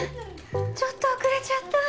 ・ちょっと遅れちゃった。